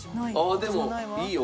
でもいいよ